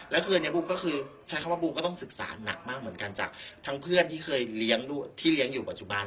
แล้วคืออันนี้บูมก็คือใช้คำว่าบูมก็ต้องศึกษาหนักมากเหมือนกันจากทั้งเพื่อนที่เคยเลี้ยงลูกที่เลี้ยงอยู่ปัจจุบัน